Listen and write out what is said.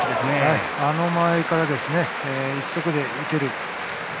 あの間合いから一足で打てる。